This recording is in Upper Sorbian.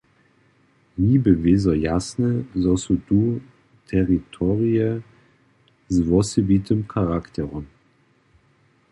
Mi bě wězo jasne, zo su tu teritorije z wosebitym charakterom.